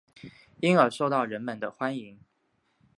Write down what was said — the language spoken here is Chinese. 因而受到人们的欢迎。